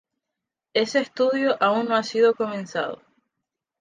Ese estudio aún no ha sido comenzado.